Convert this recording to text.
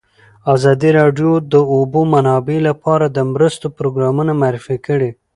ازادي راډیو د د اوبو منابع لپاره د مرستو پروګرامونه معرفي کړي.